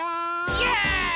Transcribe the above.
イェーイ！